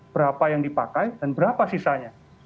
berapa yang dipakai dan berapa sisanya